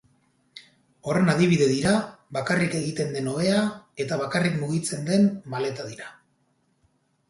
Horren adibide dira bakarrik egiten den ohea eta bakarrik mugitzen den maleta dira.